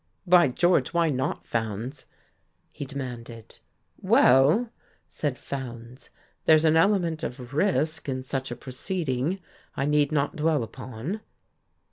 "By George, why not, Fowndes?" he demanded. "Well," said Fowndes, "there's an element of risk in such a proceeding I need not dwell upon."